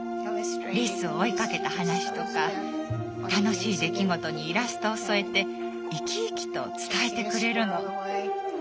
リスを追いかけた話とか楽しい出来事にイラストを添えて生き生きと伝えてくれるの。